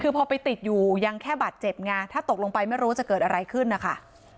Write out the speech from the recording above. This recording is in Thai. คือพอไปติดอยู่ยังแค่บาดเจ็บไงถ้าตกลงไปไม่รู้ว่าจะเกิดอะไรขึ้นนะคะ